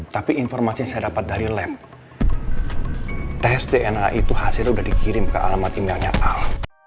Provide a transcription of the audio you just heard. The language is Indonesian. tapi informasi yang saya dapat dari lab tes dna itu hasilnya sudah dikirim ke alamat emailnya al